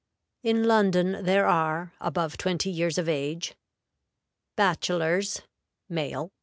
In London there are, above twenty years of age, Male.